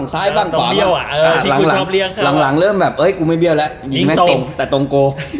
ซื้อจอหลังเริ่มแบบกูไม่เบี้ยวแล้วอยิงแท่ตรงแต่ตรงโก